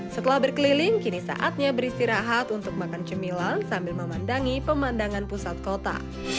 setelah berkeliling kini saatnya beristirahat untuk makan cemilan sambil memandangi pemandangan pusat kota